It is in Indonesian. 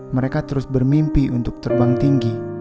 mereka terus bermimpi untuk terbang tinggi